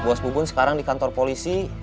bos bubun sekarang di kantor polisi